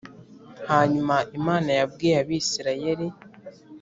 Hanyuma Imana yabwiye Abisirayeli.